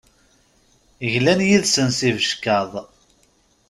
Glan yid-sen s ibeckaḍ.